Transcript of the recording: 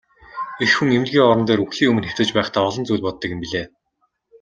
Эх хүн эмнэлгийн орон дээр үхлийн өмнө хэвтэж байхдаа олон зүйл боддог юм билээ.